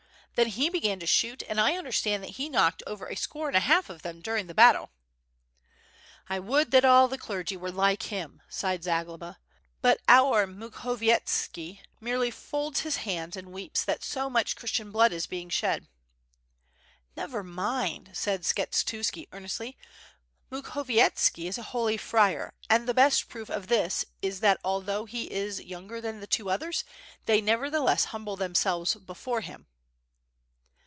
Then he began to shoot, and I understand that he knocked over a score and a half of them during the battle." "I would that all the clergy were like him," sighed Za globa, "but our Mukhovieteki merely folds his hands and weeps that so much Christian blood is being shed." "Never mind," said Skshetuski, earnestly, "Mukhovietski is a holy friar; and the best proof of this is, that although he is younger than the two others, they nevertheless humble themselves before him."